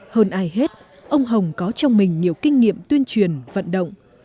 hơn ai hết ông hồng có trong mình nhiều kinh nghiệm tuyên truyền vận động